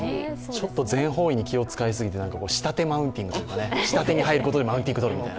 ちょっと全方位に気を使いまくって下手マウンティングみたいな下手に入ることでマウンティングに入るみたいな。